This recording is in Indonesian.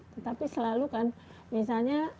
tetapi selalu kan misalnya